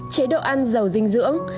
chế độ ăn dầu dinh dưỡng